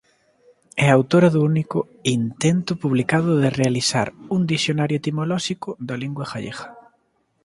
É autora do único intento publicado de realizar un dicionario etimolóxico da lingua galega.